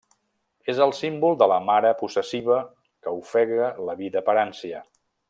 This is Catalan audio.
És el símbol de la mare possessiva que ofega la vida per ànsia.